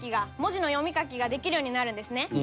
文字の読み書きができるようになるんですね。